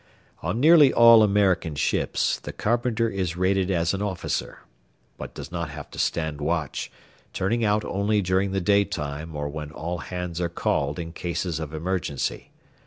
On nearly all American ships the carpenter is rated as an officer, but does not have to stand watch, turning out only during the day time or when all hands are called in cases of emergency.